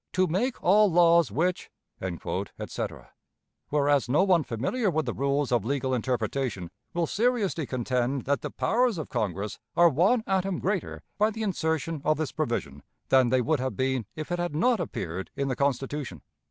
"to make all laws which," etc; whereas no one familiar with the rules of legal interpretation will seriously contend that the powers of Congress are one atom greater by the insertion of this provision than they would have been if it had not appeared in the Constitution.